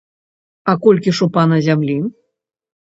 А колькі ж у пана зямлі?